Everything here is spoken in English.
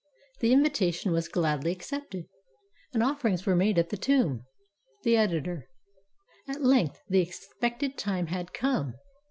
The invitation was gladly accepted, and offerings were made at the tomb. The Editor.] At length the expected time had come.